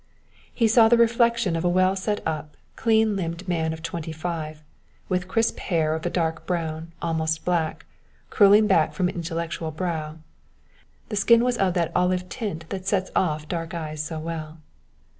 He saw the reflection of a well set up, clean limbed man of twenty five, with crisp hair of a dark brown, almost black, curling back from an intellectual brow. The skin was of that olive tint that sets off dark eyes so well.